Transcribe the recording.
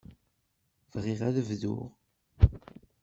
Bɣiɣ ad bduɣ.